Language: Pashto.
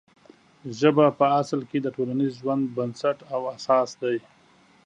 ژبه په اصل کې د ټولنیز ژوند بنسټ او اساس دی.